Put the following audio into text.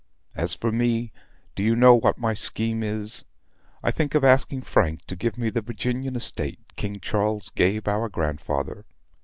As for me, do you know what my scheme is? I think of asking Frank to give me the Virginian estate King Charles gave our grandfather.